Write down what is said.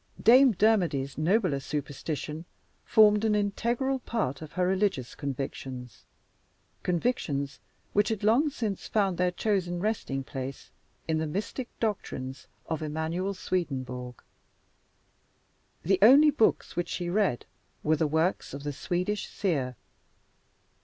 Dame Dermody's nobler superstition formed an integral part of her religious convictions convictions which had long since found their chosen resting place in the mystic doctrines of Emanuel Swedenborg. The only books which she read were the works of the Swedish Seer.